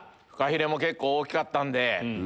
フカヒレも結構大きかったんで。